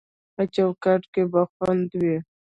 په چوکاټ کې به خوندي وي